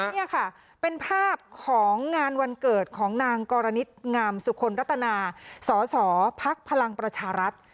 นี่ค่ะเป็นภาพของงานวันเกิดของนางกรณิตงามสุคลรัตนาสสพลังประชารัฐ